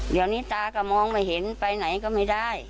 เดี๋ยวนี้ตาก็มองไม่เห็นไปไหนก็ไม่ได้